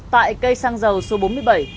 tại cây xăng dầu số bốn mươi bảy